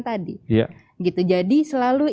tadi jadi selalu